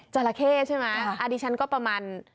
จลาเก่ใช่ไหมอธิชันก็ประมาณ